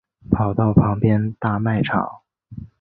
跑去旁边大卖场